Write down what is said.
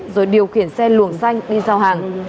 rồi điều khiển xe luồng danh đi giao hàng